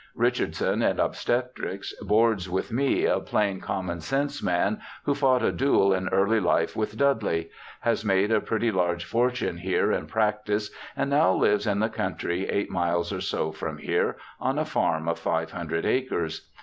Richardson, in obstetrics, boards with me, a plain common sense man, who fought a duel in early lite with Dudley ; has made a pretty large fortune here in practice, and now Hves in the country eight miles or so from here, on a farm of 500 acres.